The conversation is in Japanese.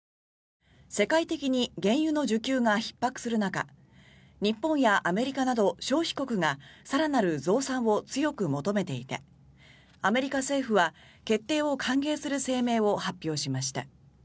世界的に原油の需給がひっ迫する中日本やアメリカなど消費国が更なる増産を強く求めていてアメリカ政府は決定を歓迎する声明を発表しました。